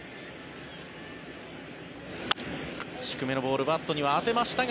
低めのボールバットには当てましたが